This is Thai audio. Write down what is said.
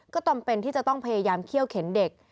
ก็จำเป็นที่จะต้องพยายามเขี้ยวเข็นเด็ก